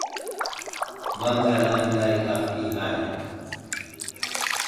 Manzar aday haf i ghay.